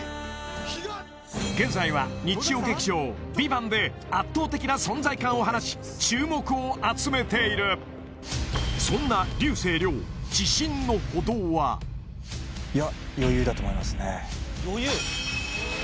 現在は日曜劇場「ＶＩＶＡＮＴ」で圧倒的な存在感を放ち注目を集めているそんな竜星涼自信の程はいや余裕だと思いますね